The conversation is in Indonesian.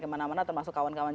kemana mana termasuk kawan kawan